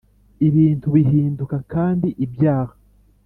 ibintu bihinduka kandi ibyaha